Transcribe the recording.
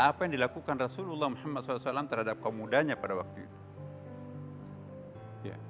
apa yang dilakukan rasulullah saw terhadap kaum mudanya pada waktu itu